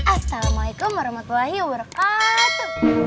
assalamualaikum warahmatullahi wabarakatuh